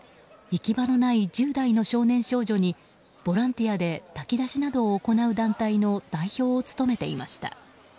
行き場のない１０代の少年少女にボランティアで炊き出しなどを行う団体の代表を務めていました。